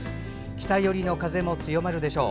北寄りの風も強まるでしょう。